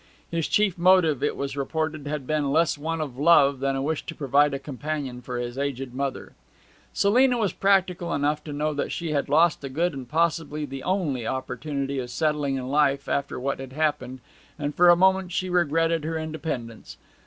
His chief motive, it was reported, had been less one of love than a wish to provide a companion for his aged mother. Selina was practical enough to know that she had lost a good and possibly the only opportunity of settling in life after what had happened, and for a moment she regretted her independence.